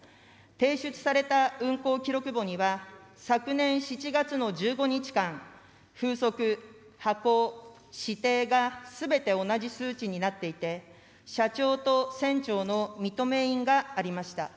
提出された運航記録簿には、昨年７月の１５日間、風速、波高、視程がすべて同じ数値になっていて、社長と船長の認印がありました。